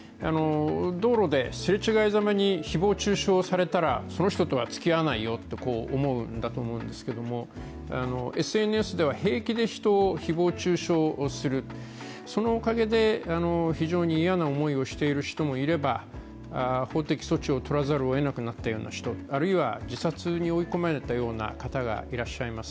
道路ですれ違いざまに誹謗中傷されたらその人とはつきあわないよと思うんだと思うんですけどＳＮＳでは平気で人を誹謗中傷する、そのおかげで非常に嫌な思いをしている人もいれば法的措置を取らざるをえなくなったような人あるいは自殺に追い込まれたような方がいらっしゃいます。